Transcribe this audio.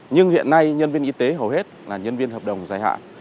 nhưng hiện nay nhân viên y tế hầu hết là nhân viên hợp đồng dài hạn